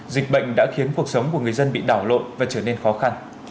dịch bệnh đã khiến cuộc sống của người dân bị đảo lộn và trở nên khó khăn